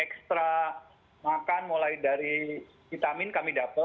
ekstra makan mulai dari vitamin kami dapat